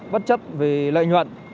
bất chấp về lợi nhuận